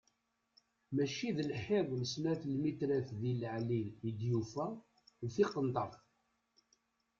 Mačči d lḥiḍ n snat lmitrat di leɛli i d-yufa, d tiqenṭert!